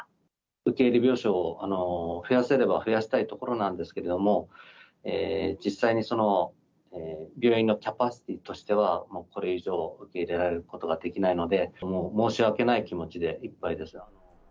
受け入れ病床を増やせれば増やしたいところなんですけれども、実際に病院のキャパシティーとしてはもうこれ以上、受け入れることができないので、申し訳ない気持ちでいっぱいです。